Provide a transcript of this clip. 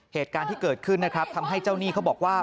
เหตุการณ์ที่เกิดขึ้นนะครับทำให้เจ้าหนี้เขาบอกว่า